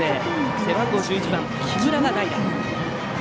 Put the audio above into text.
背番号１１番、木村が代打。